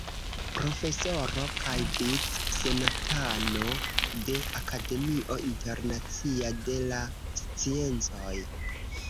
Profesoro kaj vic-senatano de Akademio Internacia de la Sciencoj.